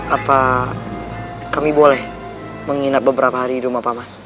apa kami boleh menginap beberapa hari di rumah pamas